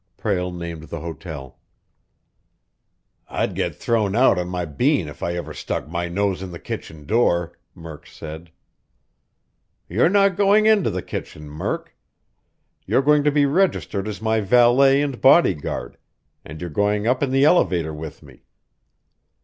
Prale named the hotel. "I'd get thrown out on my bean if I ever stuck my nose in the kitchen door," Murk said. "You're not going into the kitchen, Murk. You're going to be registered as my valet and bodyguard, and you're going up in the elevator with me.